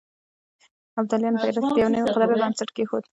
ابدالیانو په هرات کې د يو نوي قدرت بنسټ کېښود.